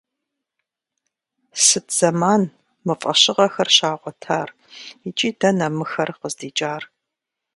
Сыт зэман мы фӀэщыгъэхэр щагъуэтар, икӀи дэнэ мыхэр къыздикӀар?